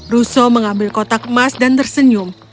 russo mengambil kotak emas dan tersenyum